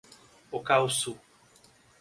Ocauçu